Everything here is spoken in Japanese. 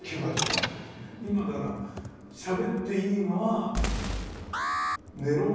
今だからしゃべっていいのはええ！